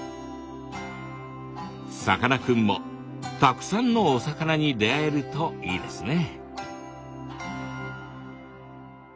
さかなクンもたくさんのお魚に出会えるといいですね。